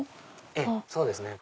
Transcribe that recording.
ええそうですね。